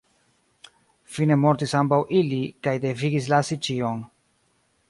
Fine mortis ambaŭ ili, kaj devigis lasi ĉion.